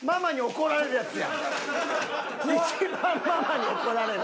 怒られるやつよ。